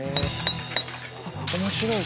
面白い！